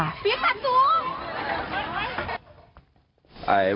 เบี๊ยดสัตว์สูง